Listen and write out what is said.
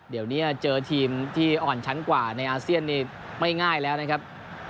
เดี๋ยวนี้เจอทีมที่อ่อนชั้นกว่าในอาเซียนนี่ไม่ง่ายแล้วนะครับ